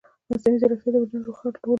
مصنوعي ځیرکتیا د وجدان رول روښانه کوي.